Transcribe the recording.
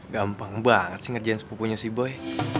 gampang banget sih ngerjain sepupunya si boy